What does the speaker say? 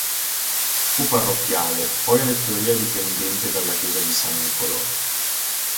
Fu parrocchiale, poi rettoria dipendente dalla chiesa di San Nicolò.